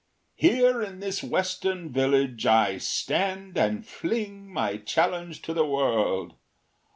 Here in this western village I stand and fling my challenge to the world.